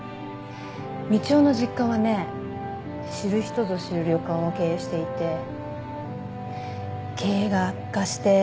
みちおの実家はね知る人ぞ知る旅館を経営していて経営が悪化してある嘘をついたの。